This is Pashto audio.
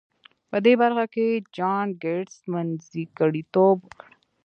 په دې برخه کې جان ګيټس منځګړيتوب وکړ.